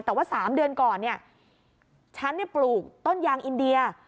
แต่ว่า๓เดือนก่อนเนี่ยฉันปลูกต้นยางอินเดีย